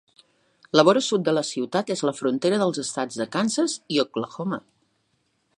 La vora sud de la ciutat és la frontera dels estats de Kansas i Oklahoma.